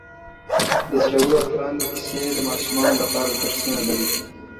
د زړورو اتلانو کیسې د ماشومانو لپاره درسونه لري.